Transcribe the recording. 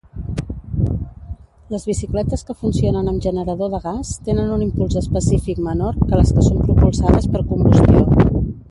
Les bicicletes que funcionen amb generador de gas tenen un impuls específic menor que les que són propulsades per combustió.